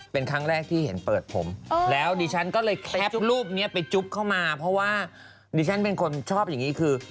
เป็นครั้งแรกที่เห็นเปิดผมแล้วดิฉันก็เลยแคปรูปนี้ไปจุ๊บเข้ามาเพราะว่าดิฉันเป็นคนชอบอย่างนี้คือ